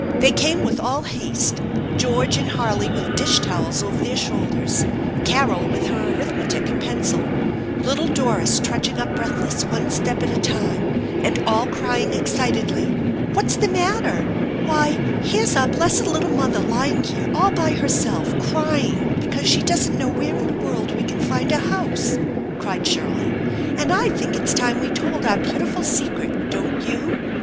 They came with all haste, George and Harley with dish towels over their shoulders, Carol with her arithmetic and pencil, little Doris trudging up breathless, one step at a time, and all crying excitedly, "What's the matter?" "Why, here's our blessed little mother lying here all by herself, crying because she doesn't know where in the world we can find a house !" cried Shirley ;" and I think it's time we told our beautiful secret, don't you ?